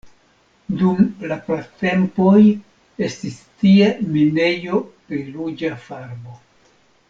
Dum la pratempoj estis tie minejo pri ruĝa farbo.